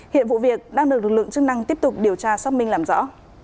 hiện vụ việc đang được lực lượng chức năng tiếp tục điều tra xác minh làm rõ